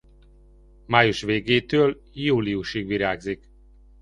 Május végétől júliusig virágzik.